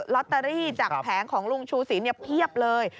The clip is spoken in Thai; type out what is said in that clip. ลอตเตอรี่จากแผงของลุงชูสินเพียบเลย